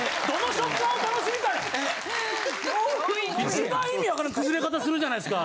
一番意味わからん崩れ方するじゃないですか。